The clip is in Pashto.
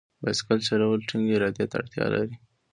بایسکل چلول ټینګې ارادې ته اړتیا لري.